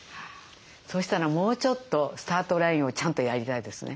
そうしたらもうちょっとスタートラインをちゃんとやりたいですね。